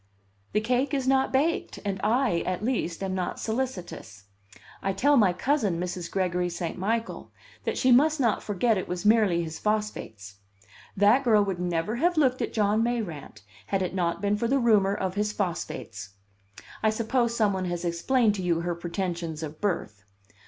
"The cake is not baked, and I, at least, am not solicitous. I tell my cousin, Mrs. Gregory St. Michael, that she must not forget it was merely his phosphates. That girl would never have looked at John Mayrant had it not been for the rumor of his phosphates. I suppose some one has explained to you her pretensions of birth.